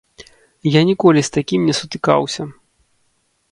Я ніколі з такім не сутыкаўся.